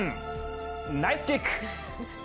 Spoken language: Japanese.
ナイスキック！